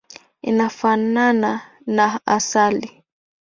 Inafanana na asali.